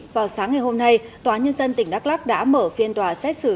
vào sáng ngày hôm nay tòa nhân dân tỉnh đắk lắc đã mở phiên tòa xét xử